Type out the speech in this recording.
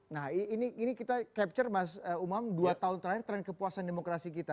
nah ini kita capture mas umam dua tahun terakhir tren kepuasan demokrasi kita